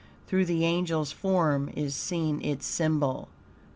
Through the angel's form is seen its symbol.